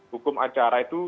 hukum acara itu